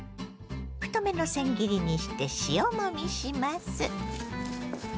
太めのせん切りにして塩もみします。